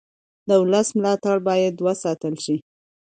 د ولس ملاتړ باید وساتل شي